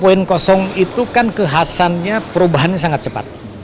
empat itu kan kehasannya perubahannya sangat cepat